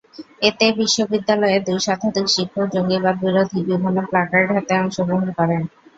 এতে বিশ্ববিদ্যালয়ের দুই শতাধিক শিক্ষক জঙ্গিবাদবিরোধী বিভিন্ন প্লাকার্ড হাতে অংশগ্রহণ করেন।